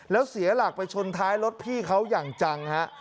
แล้วเสียหลักไปชนท้ายรถพี่เขาอย่างจังฮะ